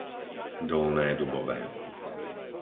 Dolné Dubové